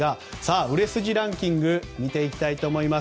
売れ筋ランキングを見ていきたいと思います。